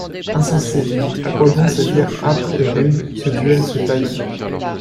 Insensés! à quoi bon cette guerre âpre et rude, Ce duel, ce talion?...